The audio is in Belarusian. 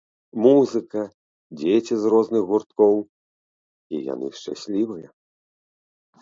Музыка, дзеці з розных гурткоў, і яны шчаслівыя.